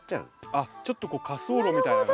あっちょっと滑走路みたいな。